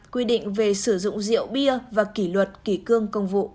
quy định về sử dụng rượu bia và kỷ luật kỷ cương công vụ